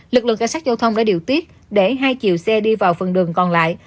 lực lượng cảnh sát giao thông đã điều tiết để hai chiều xe đi vào phần đường còn lại